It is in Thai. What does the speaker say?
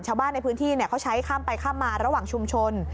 ชาวบ้านในพื้นที่เขาใช้ข้ามไปข้ามมาระหว่างชุมชน